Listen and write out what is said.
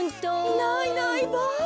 いないいないばあ。